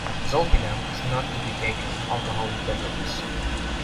Zolpidem is not to be taken with alcoholic beverages.